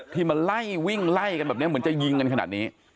ที่มาไล่วิ่งไล่กันแบบนี้เหมือนจะยิงกันขนาดนี้